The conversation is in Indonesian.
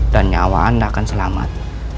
dan nyawa anda akan selamat